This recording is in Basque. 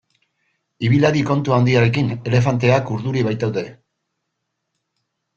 Ibil hadi kontu handiarekin elefanteak urduri baitaude.